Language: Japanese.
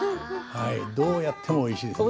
どうやってもおいしいです。